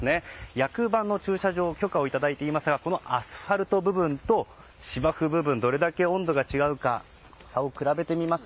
役場の駐車場許可をいただいていますがこのアスファルト部分と芝生部分どれだけ温度が違うのか差を比べてみます。